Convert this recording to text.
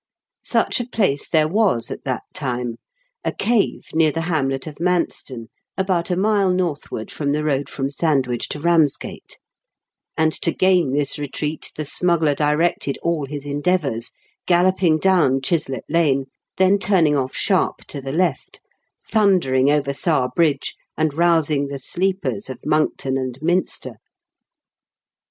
Such a place there was at that time, a cave near the hamlet of Manston, about a mile northward from the road from Sandwich to Kamsgate; and to gain this retreat the smuggler directed all his endeavours, galloping down Chislett Lane, then turning off' sharp to the left, thundering over Sarr Bridge, and rousing the sleepers of Monkton and Minster.